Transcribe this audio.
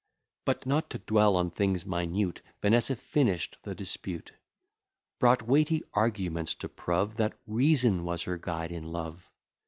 But, not to dwell on things minute, Vanessa finish'd the dispute; Brought weighty arguments to prove That reason was her guide in love.